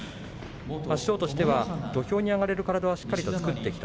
師匠としては土俵に上がれる体をしっかりと作ってきた。